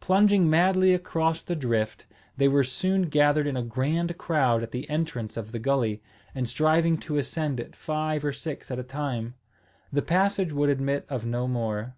Plunging madly across the drift, they were soon gathered in a grand crowd at the entrance of the gulley, and striving to ascend it five or six at a time. The passage would admit of no more.